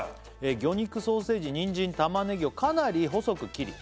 「魚肉ソーセージにんじんたまねぎをかなり細く切り」